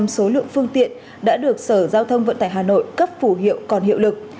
số lượng phương tiện đã được sở giao thông vận tải hà nội cấp phủ hiệu còn hiệu lực